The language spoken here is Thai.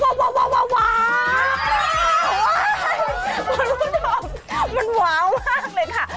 มันลูกจำน็งเหมือนว้าวมากเลยค่ะ